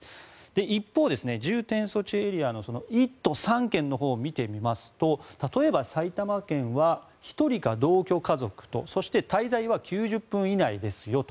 一方、重点措置エリアの１都３県のほうを見てみますと例えば、埼玉県は１人か同居家族とそして、滞在は９０分以内ですよと。